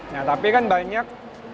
nah tapi kan banyak